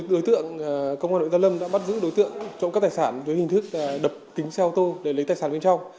đối tượng công an nội gia lâm đã bắt giữ đối tượng trộm cắp tài sản với hình thức đập kính xe ô tô để lấy tài sản bên trong